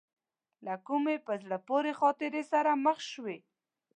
له کومې په زړه پورې خاطرې سره مخ شوې.